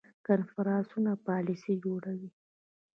کنفرانسونه پالیسي جوړوي